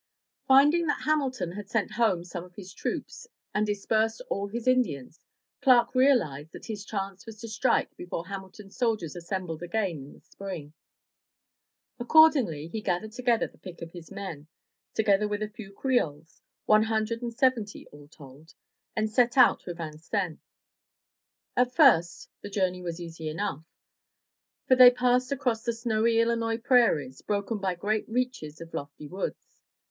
Finding that Hamilton had sent home some of his troops and dispersed all his Indians, Clark realized that his chance was to strike before Hamilton's soldiers assembled again in the spring. Accordingly he gathered together the pick of his men, together with a few Creoles, one hundred and seventy all told, and set out for Vincennes. At first the journey was easy enough, for they passed across the snowy Illinois prairies, broken by great reaches of lofty woods.